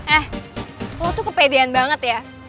eh aku tuh kepedean banget ya